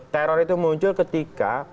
teror itu muncul ketika